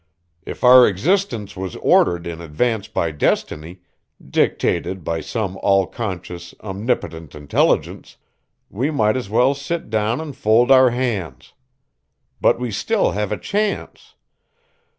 If our existence was ordered in advance by destiny, dictated by some all conscious, omnipotent intelligence, we might as well sit down and fold our hands. But we still have a chance.